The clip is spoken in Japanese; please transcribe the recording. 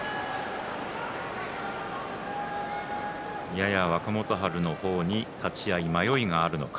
やや若元春の方に立ち合い、迷いがあるのか。